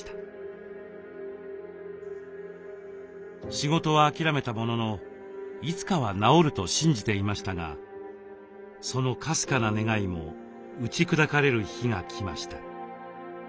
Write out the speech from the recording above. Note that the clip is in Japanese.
仕事は諦めたもののいつかは治ると信じていましたがそのかすかな願いも打ち砕かれる日が来ました。